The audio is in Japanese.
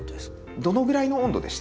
どのぐらいの温度でした？